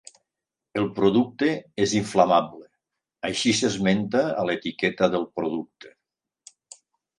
El producte és inflamable, així s'esmenta a l'etiqueta del producte.